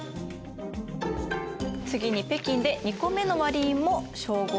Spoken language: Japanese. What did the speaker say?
次に北京で２個目の割り印も照合します。